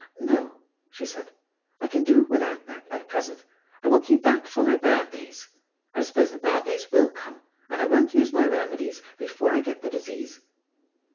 "No," she said, "I can do without that at present. I will keep that for my bad days. I suppose the bad days will come, and I won't use my remedies before I get the disease."